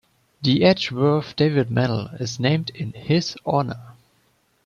The Edgeworth David Medal is named in his honour.